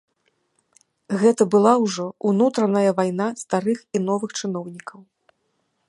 Гэта была ўжо ўнутраная вайна старых і новых чыноўнікаў.